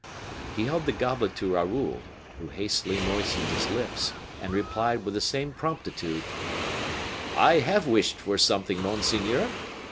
He held the goblet to Raoul, who hastily moistened his lips, and replied with the same promptitude: "I have wished for something, monseigneur."